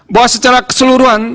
bahwa secara keseluruhan